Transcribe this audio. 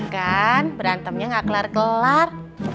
kan berantemnya gak kelar kelar